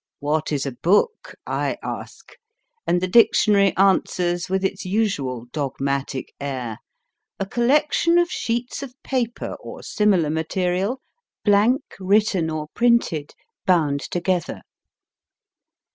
What is a book ? I ask, and the dictionary answers with its usual dogmatic air, A collec tion of sheets of paper, or similar material, blank, written, or printed, bound together.